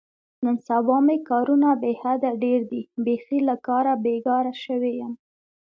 نن سبا مې کارونه بې حده ډېر دي، بیخي له کاره بېگاره شوی یم.